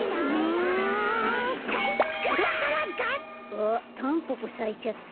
あっタンポポさいちゃった。